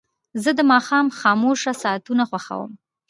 زه د ماښام خاموشه ساعتونه خوښوم.